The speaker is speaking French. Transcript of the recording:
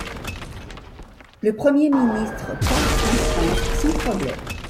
Le Premier ministre part en France sans problème.